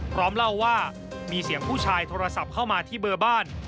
พร้อมเล่าว่ามีเสียงผู้ชายโทรศัพท์เข้ามาที่เบอร์บ้าน